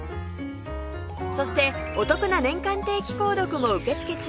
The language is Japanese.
そしてお得な年間定期購読も受け付け中